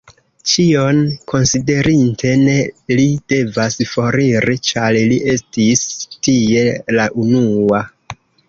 Ĉion konsiderinte, ne li devas foriri, ĉar li estis tie la unua.